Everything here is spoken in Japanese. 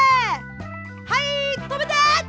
はいとめて！